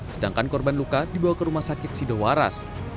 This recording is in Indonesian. sedangkan korban luka dibawa ke rumah sakit sido waras